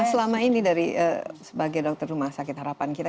nah selama ini sebagai dokter rumah sakit harapan kita